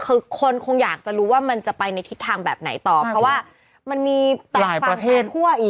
คือคนคงอยากจะรู้ว่ามันจะไปในทิศทางแบบไหนต่อเพราะว่ามันมีแต่ฝั่งทางคั่วอีก